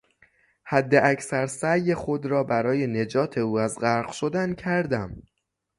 حداکثر سعی خود را برای نجات او از غرق شدن کردم.